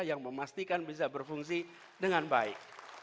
yang memastikan bisa berfungsi dengan baik